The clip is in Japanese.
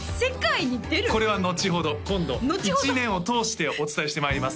これはのちほど今度一年を通してお伝えしてまいります